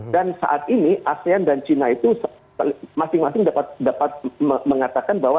dan saat ini asean dan cina itu masing masing dapat mengatakan bahwa